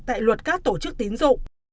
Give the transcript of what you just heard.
tại luật các tổ chức tín dụng